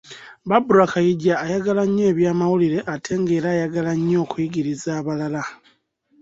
Barbara Kaija ayagala nnyo ebyamawulire ate ng'era ayagala nnyo okuyigiriza abalala